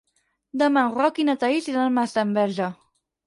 Demà en Roc i na Thaís iran a Masdenverge.